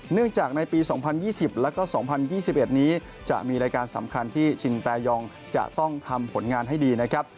เนื่องจากในปี๒๐๒๐แล้วก็๒๐๒๑นี้จะมีรายการสำคัญที่ชินแตยองจะต้องทำผลงานให้ดีนะครับ